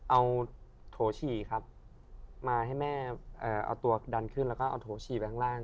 เอาโถฉี่ครับมาให้แม่เอาตัวดันขึ้นแล้วก็เอาโถฉี่ไปข้างล่าง